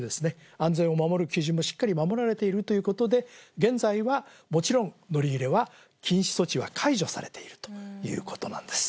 安全を守る基準もしっかり守られているということで現在はもちろん乗り入れは禁止措置は解除されているということなんです